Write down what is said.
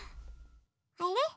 あれ？